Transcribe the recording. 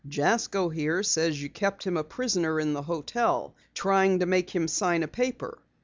"Jasko here says you kept him a prisoner in the hotel, trying to make him sign a paper."